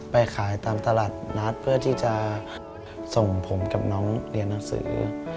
ไปขายตามตลาดนัดเพื่อที่จะส่งผมกับน้องเรียนหนังสือ